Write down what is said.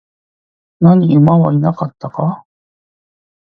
何、馬はいなかったか?